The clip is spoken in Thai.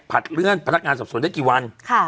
เลื่อนพนักงานสอบสวนได้กี่วัน